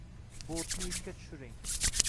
Botni ishga tushiring